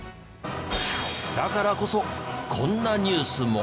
だからこそこんなニュースも。